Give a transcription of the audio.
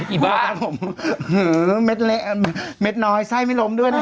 อีบ๊าผมหือเม็ดเล็กอ่าเม็ดน้อยไส้ไม่ลมด้วยนะฮะ